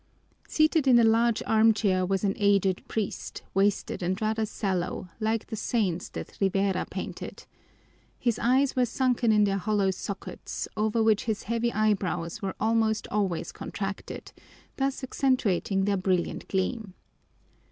Seated in a large armchair was an aged priest, wasted and rather sallow, like the saints that Rivera painted. His eyes were sunken in their hollow sockets, over which his heavy eyebrows were almost always contracted, thus accentuating their brilliant gleam.